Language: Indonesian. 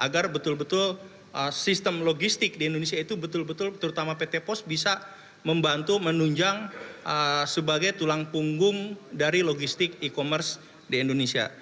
agar betul betul sistem logistik di indonesia itu betul betul terutama pt pos bisa membantu menunjang sebagai tulang punggung dari logistik e commerce di indonesia